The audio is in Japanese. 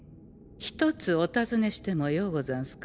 ひとつお尋ねしてもようござんすかえ？